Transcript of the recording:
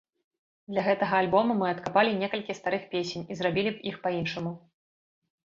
Для гэтага альбому мы адкапалі некалькі старых песень і зрабілі іх па-іншаму.